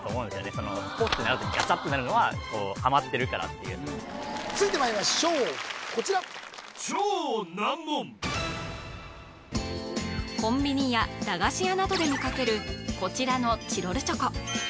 そのスポってなるとガチャってなるのははまってるからっていう続いてまいりましょうこちらコンビニや駄菓子屋などで見かけるこちらのチロルチョコ